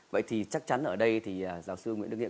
vậy thì chắc chắn ở đây thì giáo sư nguyễn đức nghĩa